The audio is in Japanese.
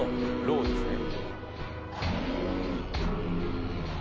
ローですね。